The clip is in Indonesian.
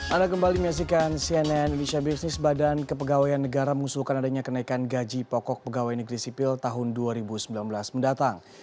anda kembali menyaksikan cnn indonesia business badan kepegawaian negara mengusulkan adanya kenaikan gaji pokok pegawai negeri sipil tahun dua ribu sembilan belas mendatang